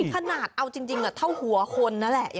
ขนาดเอาจริงเท่าหัวคนนั่นแหละ